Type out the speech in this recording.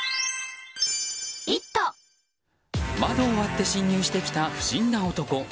窓を割って侵入してきた不審な男。